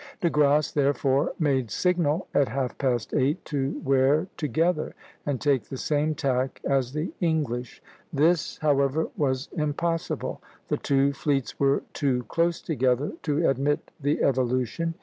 De Grasse therefore made signal at half past eight to wear together and take the same tack as the English. This, however, was impossible; the two fleets were too close together to admit the evolution.